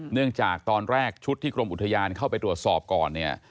เนื่องจากตอนแรกชุดที่กรมอุทยานเข้าไปตรวจสอบก่อนเนี่ย